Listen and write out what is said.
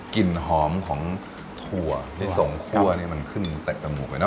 กลิ่นหอมของถั่วที่สงคั่วนี่มันขึ้นแตกต่างกับหมูไปเนอะ